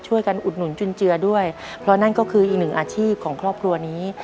อุดหนุนจุนเจือด้วยเพราะนั่นก็คืออีกหนึ่งอาชีพของครอบครัวนี้